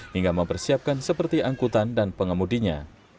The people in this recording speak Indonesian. hingga mempersiapkan seperti angkutan dan pengemudinya